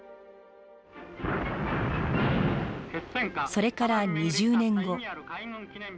それから２０年後。